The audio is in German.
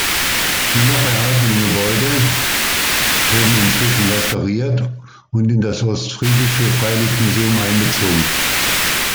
Die noch erhaltenen Gebäude wurden inzwischen restauriert und in das Ostfriesische Freilichtmuseum einbezogen.